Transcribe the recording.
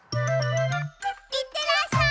いってらっしゃい！